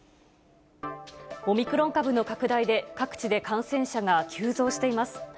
オミクロン株の拡大で、各地で感染者が急増しています。